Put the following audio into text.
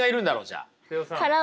じゃあ。